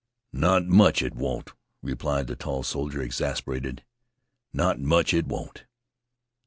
"Not much it won't," replied the tall soldier, exasperated. "Not much it won't.